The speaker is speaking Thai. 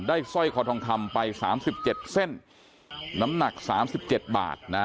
ใส่ขอทองคำไป๓๗เส้นน้ำหนัก๓๗บาท